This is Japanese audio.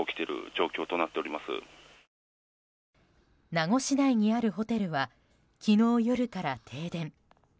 名護市内にあるホテルは昨日夜から停電。